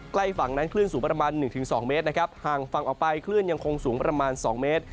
ใกล้ฝั่งนั้นคลื่นสูงประมาณ๑๒เมตรนะครับห่างฝั่งออกไปคลื่นยังคงสูงประมาณ๒เมตร